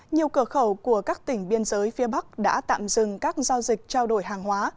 nhiều cửa khẩu của các tỉnh biên giới phía bắc đã tạm dừng các giao dịch trao đổi hàng hóa